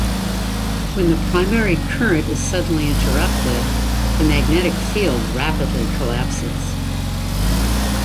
When the primary current is suddenly interrupted, the magnetic field rapidly collapses.